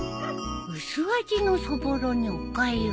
薄味のそぼろにおかゆ。